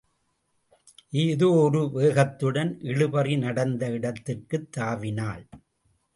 ஏதோ ஒரு வேகத்துடன் இழுபறி நடந்த இடத்திற்குத் தாவினாள்.